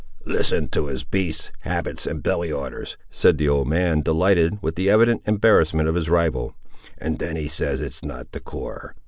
"Listen to his beasts' habits and belly orders," said the old man, delighted with the evident embarrassment of his rival; "and then he says it is not the core!